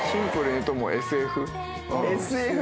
ＳＦ？